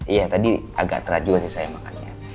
iya tadi agak terat juga sih saya makannya